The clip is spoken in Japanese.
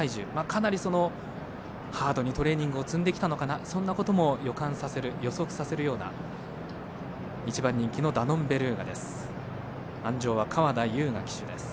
かなりハードにトレーニングを積んできたのかなというそんなことも予測させるような１番人気のダノンベルーガです。